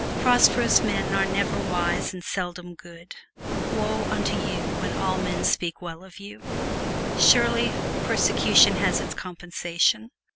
Prosperous men are never wise and seldom good. Woe unto you when all men shall speak well of you! Surely, persecution has its compensation!